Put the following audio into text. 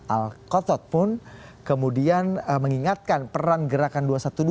al kotot pun kemudian mengingatkan peran gerakan dua ratus dua belas